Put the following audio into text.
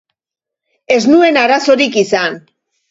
Ez nuen arazorik izan.